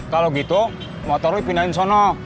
kalau gitu motor lu pindahin sana